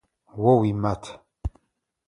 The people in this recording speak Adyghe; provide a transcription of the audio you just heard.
О уимат.